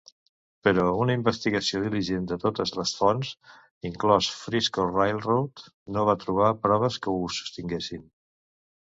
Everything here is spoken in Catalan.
Però una investigació diligent de totes les fonts, inclòs Frisco Railroad, no va trobar proves que ho sostinguessin.